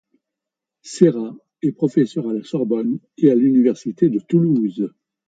Serra est professeur à la Sorbonne et à l'université de Toulouse.